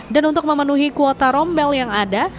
untuk memenuhi kuota rombel yang ada